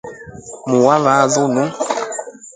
Muu wa vaa linu.